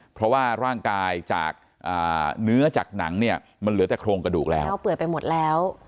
เพราะว่าร่างกายจากเนื้อจากหนังเนี่ยมันเหลือแต่โครงกระดูกแล้ว